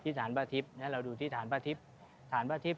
ที่ฐานพระทิพย์เราดูที่ฐานพระทิพย์